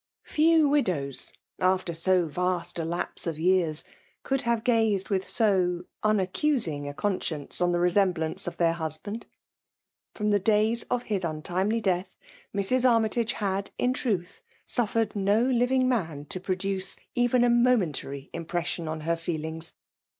'Few widows, after so vast a lapse of years, tould have gated with sd unaccusing a coilr jictenoe <m the resemblance' of their husband. Erom 'the di^ ofhis trntimcly death> Mrs. A» tsy^gc hadi'in. truth, suiTered no living mm ^ijpEoduce ev^n a momentary impression dn heir firaliiigs.